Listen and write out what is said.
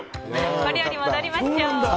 お料理に戻りましょう。